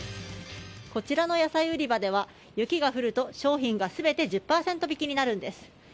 こちらの野菜売り場では雪が降ると商品が全て１０％引きになるんです。